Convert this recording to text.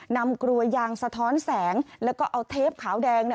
กลัวยางสะท้อนแสงแล้วก็เอาเทปขาวแดง